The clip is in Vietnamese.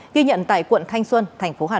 ghi nhận tại quận thanh xuân thành phố hà nội